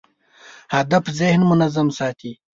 هدف ذهن منظم ساتي.